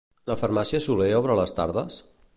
La Farmàcia Soler obre a les tardes?